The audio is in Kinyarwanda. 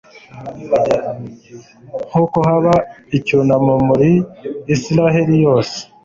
nuko haba icyunamo muri israheli yose